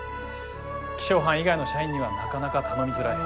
気象班以外の社員にはなかなか頼みづらい。